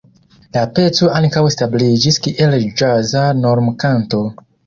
La peco ankaŭ establiĝis kiel ĵaza normkanto.